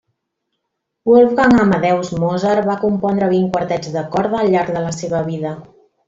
Wolfgang Amadeus Mozart va compondre vint quartets de corda al llarg de la seva vida.